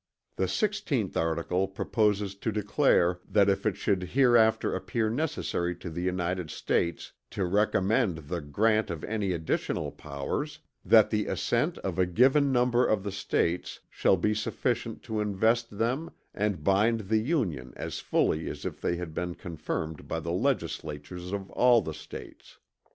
"The 16th article proposes to declare that if it should hereafter appear necessary to the United States to recommend the grant of any additional powers, that the assent of a given number of the States shall be sufficient to invest them and bind the Union as fully as if they had been confirmed by the legislatures of all the States.